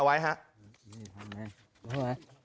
ใช่พี่